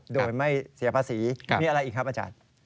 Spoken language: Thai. โดยไม่เสียภาษีมีอะไรอีกครับอาจารย์